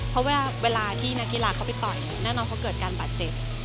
เพราะเวลาที่นักกีฬาเขาไปต่อยแน่นอนเขาเกิดการบาดเจ็บ